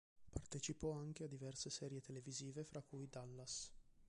Partecipò anche a diverse serie televisive fra cui "Dallas".